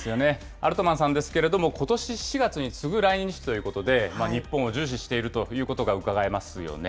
アルトマンさんですけれども、ことし４月に次ぐ来日ということで、日本を重視しているということがうかがえますよね。